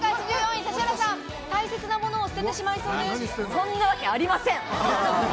そんなわけありません！